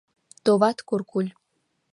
— Товат, куркуль.